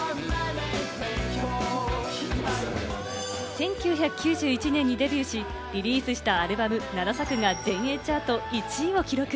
１９９１年にデビューし、リリースしたアルバム７作が全英チャート１位を記録。